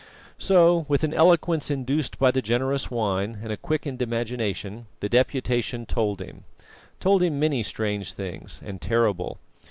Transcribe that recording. So, with an eloquence induced by the generous wine and a quickened imagination, the Deputation told him told him many strange things and terrible.